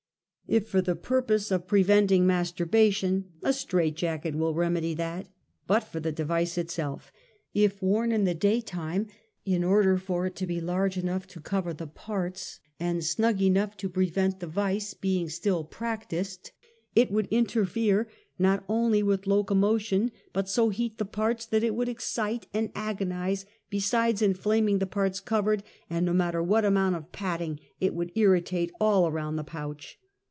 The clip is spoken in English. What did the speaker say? If for the purpose of pre SOCIAL EVIL. 121 venting masturbation, a straight jacket will reniedj that — but for the device itself. If worn in the day time, in order for it to be large enough to cover the parts, and snug enough to prevent the vice being still practiced, it would interfere not only with loco motion, but so heat the parts that it would excite and agonize, besides inilaming the parts covered, and no matter what amount of "padding," it would irri tate all around the pouch.